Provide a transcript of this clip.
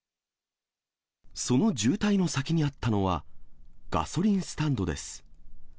その渋滞の先にあったのは、ガソリンスタンドです。